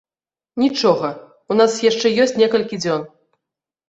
Нічога, у нас яшчэ ёсць некалькі дзён.